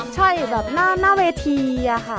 ใช่แบบหน้าเวทีอะค่ะ